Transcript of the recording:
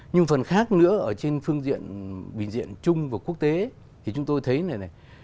nhưng phần khác nữa ở trên phương diện trung và quốc tế thì chúng tôi thấy này này